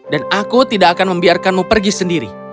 dan aku tidak akan membiarkanmu pergi sendiri